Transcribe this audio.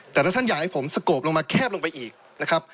แต่ถ้าท่านอยากให้ผมสโกบลงมาแคบลงไปอีกนะครับ